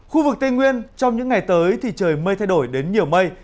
khu vực tây nguyên trong những ngày tới thì trời mây thay đổi đến nhiều mây